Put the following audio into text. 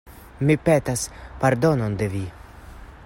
Mi petas pardonon de vi.